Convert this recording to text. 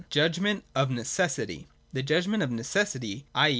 (y) Judgment of Necessity. 177.] The Judgment of Necessity, i.